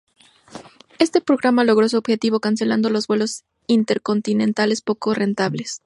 Éste programa logró su objetivo cancelando los vuelos intercontinentales poco rentables.